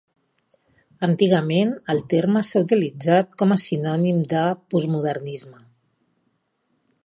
Antigament el terme s'ha utilitzat com a sinònim del Postmodernisme.